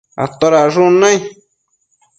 atodacshun nai?